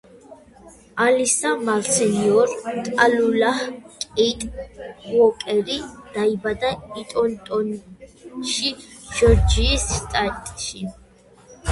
ალისა მალსენიორ ტალულაჰ-კეიტ უოკერი დაიბადა იტონტონში, ჯორჯიის შტატში.